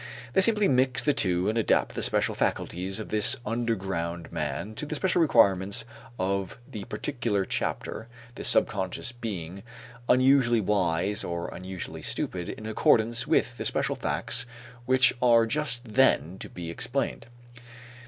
They simply mix the two and adapt the special faculties of this underground man to the special requirements of the particular chapter, the subconscious being unusually wise or unusually stupid in accordance with the special facts which are just then to be explained.